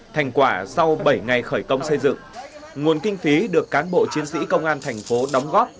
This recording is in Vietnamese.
thành quả sau bảy ngày khởi công xây dựng nguồn kinh phí được cán bộ chiến sĩ công an thành phố đóng góp